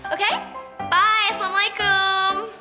oke bye assalamualaikum